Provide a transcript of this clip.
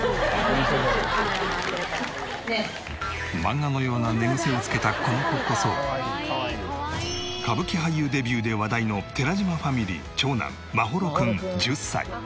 漫画のような寝癖をつけたこの子こそ歌舞伎俳優デビューで話題の寺島ファミリー長男眞秀君１０歳。